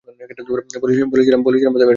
বলেছিলাম এটা হবে।